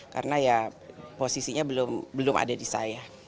karena ya posisinya belum ada di saya